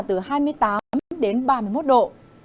từ hai mươi tám đến ba mươi một độ